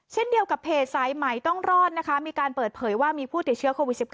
เช่นเดียวกับเพจสายใหม่ต้องรอดนะคะมีการเปิดเผยว่ามีผู้ติดเชื้อโควิด๑๙